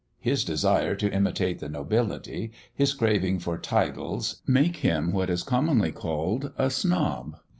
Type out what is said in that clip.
His desire to imitate the nobility, his craving for titles, make him what is commonly called "a snob."